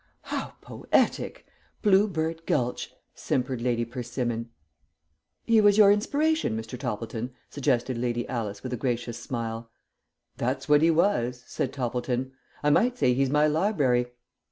"How poetic! Blue bird Gulch," simpered Lady Persimmon. "He was your inspiration, Mr. Toppleton?" suggested Lady Alice with a gracious smile. "That's what he was," said Toppleton. "I might say he's my library.